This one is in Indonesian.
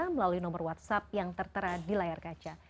melalui nomor whatsapp yang tertera di layar kaca